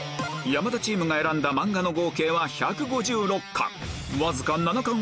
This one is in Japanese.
山田チームが選んだ漫画の合計は１５６巻わずか７巻